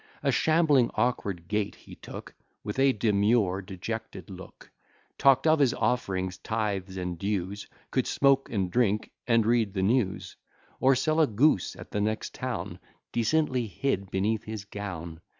A shambling awkward gait he took, With a demure dejected look, Talk't of his offerings, tythes, and dues, Could smoke and drink and read the news, Or sell a goose at the next town, Decently hid beneath his gown.